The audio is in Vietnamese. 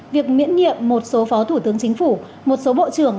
việc miễn nhiệm một số phó thủ tướng chính phủ một số bộ trưởng